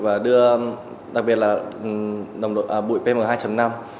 và đưa đặc biệt là bụi pm hai năm